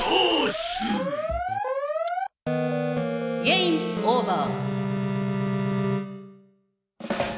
ゲームオーバー。